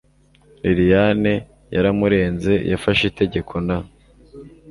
lilian yaramurenze. yafashe itegeko, na